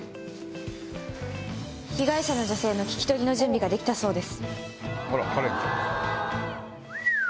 被害者の女性の聞き取りの準備ができたそうです。